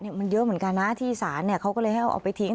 มันเยอะเหมือนกันนะที่ศาลเขาก็เลยให้เอาไปทิ้ง